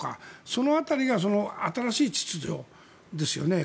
その辺りが新しい秩序ですよね。